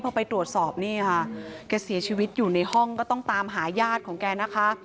เผาไปตรวจสอบนะคะเขาก็เสียชีวิตอยู่ในห้องต้องตามหาย่านของแกนะคะ